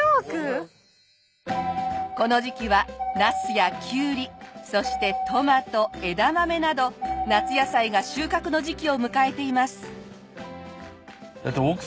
この時期はナスやキュウリそしてトマト枝豆など夏野菜が収穫の時期を迎えています。